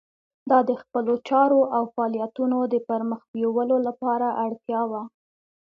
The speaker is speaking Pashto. دا د خپلو چارو او فعالیتونو د پرمخ بیولو لپاره اړتیا وه.